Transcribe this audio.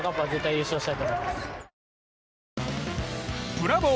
ブラボー！